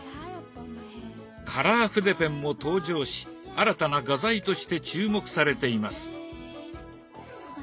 カラー筆ペンも登場し新たな画材として注目されています。